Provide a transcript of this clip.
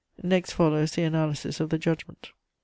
Next follows the analysis of the judgment.